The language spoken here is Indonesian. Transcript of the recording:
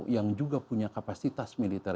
yang juga punya kapasitas militer